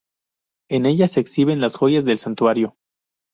En ella se exhiben las joyas del Santuario.